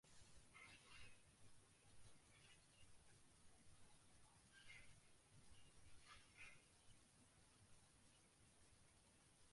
পরের ওভারে ভেঙ্কটেশ আইয়ার আউট হলেই ব্যাটিং বিপর্যয় নেমে আসে কলকাতার শিবিরে।